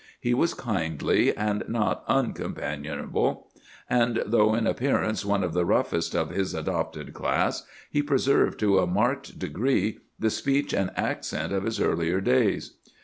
He was kindly, and not uncompanionable; and though in appearance one of the roughest of his adopted class, he preserved to a marked degree the speech and accent of his earlier days.